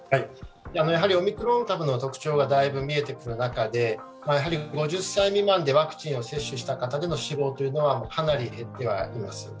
オミクロン株の特徴がだいぶ見えてくる中で、５０歳未満でワクチンを接種した方の死亡は、かなり減ってはいます。